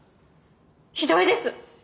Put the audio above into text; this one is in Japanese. ひどいです！